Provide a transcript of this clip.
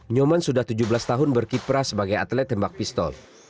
nyoman sudah tujuh belas tahun berkiprah sebagai atlet tembak pistol